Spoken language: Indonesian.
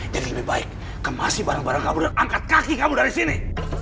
jadi lebih baik kemasi barang barang kamu dan angkat kaki kamu dari sini